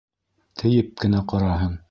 Тейеп кенә ҡараһын!